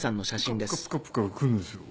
プカプカプカプカ浮くんですよ。